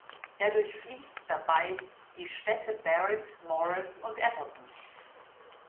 Er durchfließt dabei die Städte Barrett, Morris und Appleton.